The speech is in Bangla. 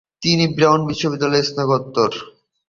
তিনি ব্রাউন বিশ্ববিদ্যালয়ের স্নাতক।